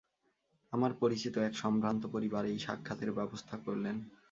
আমার পরিচিত এক সম্ভ্রান্ত পরিবার এই সাক্ষাতের ব্যবস্থা করলেন।